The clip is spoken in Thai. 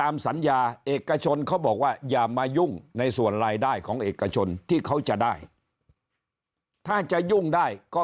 ลดราคาลงมาค่ะ